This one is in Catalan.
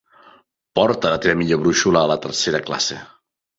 Porta la teva millor brúixola a la tercera classe.